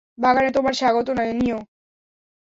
বাগানে তোমায় স্বাগতম, নিও।